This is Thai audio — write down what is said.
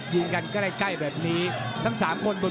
ยืนกันใกล้แบบนี้ทั้ง๓คนบน